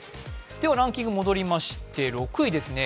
ランキング戻りまして６位ですね。